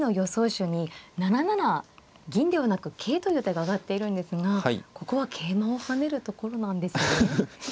手に７七銀ではなく桂という手が挙がっているんですがここは桂馬を跳ねるところなんですね。